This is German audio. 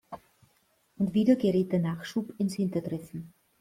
Und wieder gerät der Nachschub ins hintertreffen.